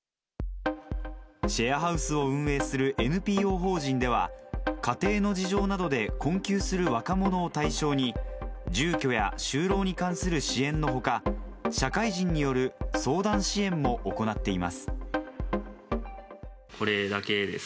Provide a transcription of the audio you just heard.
シェアハウスを運営するＮＰＯ法人では、家庭の事情などで困窮する若者を対象に、住居や就労に関する支援のほか、社会人による相談支援も行っています。